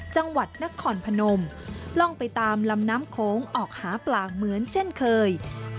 จังหวัดนครพนมล่องไปตามลำน้ำโขงออกหาปลาเหมือนเช่นเคย